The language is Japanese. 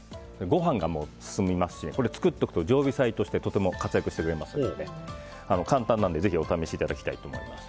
ご飯が進みますし作っておくと常備菜として活躍してくれますので簡単なので、ぜひお試しいただきたいと思います。